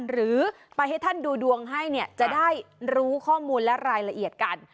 หรือไปให้ท่านดูดวงให้เนี่ยจะได้รู้ข้อมูลและรายละเอียดกัน